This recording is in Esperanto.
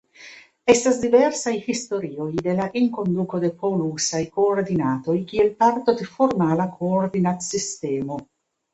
Estas diversaj historioj de la enkonduko de polusaj koordinatoj kiel parto de formala koordinatsistemo.